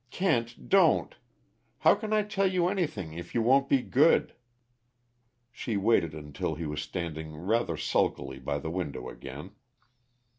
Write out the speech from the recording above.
"Kent, don't! How can I tell you anything, if you won't be good?" She waited until he was standing rather sulkily by the window again.